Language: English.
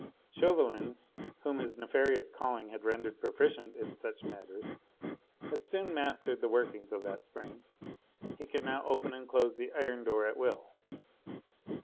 Chauvelin, whom his nefarious calling had rendered proficient in such matters, had soon mastered the workings of that spring. He could now open and close the iron door at will.